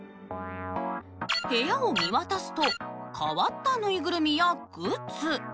部屋を見渡すと変わったぬいぐるみやグッズ。